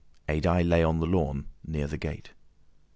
Adye lay on the lawn near the gate.